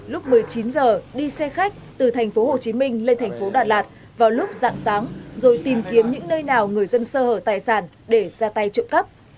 lúc một mươi chín h đi xe khách từ thành phố hồ chí minh lên thành phố đà lạt vào lúc dạng sáng rồi tìm kiếm những nơi nào người dân sơ hở tài sản để ra tay trộm cắp